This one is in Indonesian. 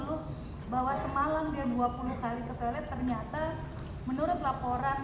jadi tadi pagi juga terdakwa mengeluh bahwa semalam dia dua puluh kali ke toilet ternyata menurut laporan dari tpp